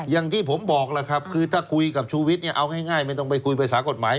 อย่างที่ผมบอกล่ะครับคือถ้าคุยกับชูวิทย์เนี่ยเอาง่ายไม่ต้องไปคุยภาษากฎหมาย